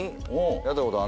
やったことあんの？